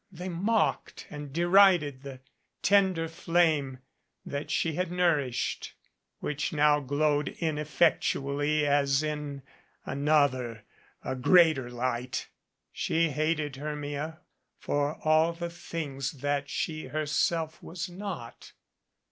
They mocked and derided the tender flame that she had nourished, which now glowed ineffectually as in another, a greater light. She hated Hermia for all the things that she herself was not.